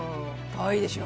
かわいいでしょう！